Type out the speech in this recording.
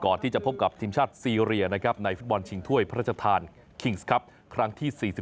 ก่อนที่จะพบกับทีมชาติซีเรียนะครับในฟิตบอลชิงถ้วยพระจักทานครั้งที่๔๔